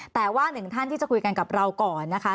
แต่ว่าหนึ่งท่านที่จะคุยกันกับเราก่อนนะคะ